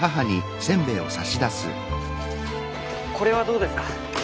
これはどうですか？